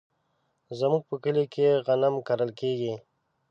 زمونږ په کلي کې غنم کرل کیږي.